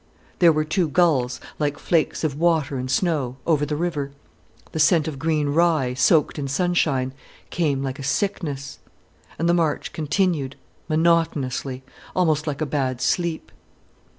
There were two gulls, like flakes of water and snow, over the river. The scent of green rye soaked in sunshine came like a sickness. And the march continued, monotonously, almost like a bad sleep.